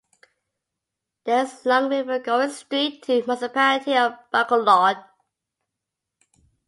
There is long river going street to Municipality of Bacolod.